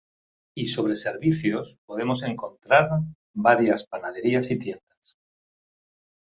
Y sobre servicios, podemos encontrar varias panaderías y tiendas.